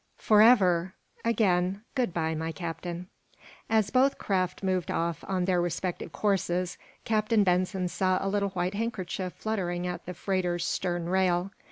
"Forever! Again, good bye, my Captain." As both craft moved off on their respective courses Captain Benson saw a little white handkerchief fluttering at the freighter's stern rail.